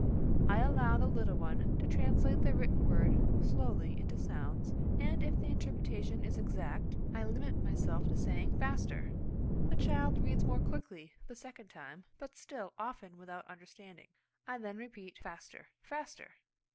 I allow the little one to translate the written word slowly into sounds, and if the interpretation is exact, I limit myself to saying, "Faster." The child reads more quickly the second time, but still often without understanding. I then repeat, "Faster, faster."